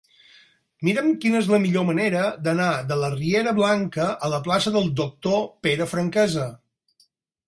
Mira'm quina és la millor manera d'anar de la riera Blanca a la plaça del Doctor Pere Franquesa.